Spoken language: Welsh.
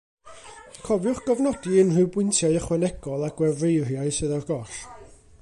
Cofiwch gofnodi unrhyw bwyntiau ychwanegol a gwefreiriau sydd ar goll